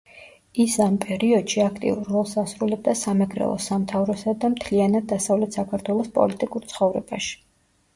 ის ამ პერიოდში აქტიურ როლს ასრულებდა სამეგრელოს სამთავროსა და მთლიანად დასავლეთ საქართველოს პოლიტიკურ ცხოვრებაში.